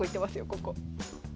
ここ。